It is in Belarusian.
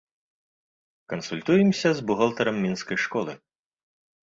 Кансультуемся з бухгалтарам мінскай школы.